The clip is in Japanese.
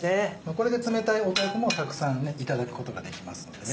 これで冷たい豆腐もたくさんいただくことができますのでね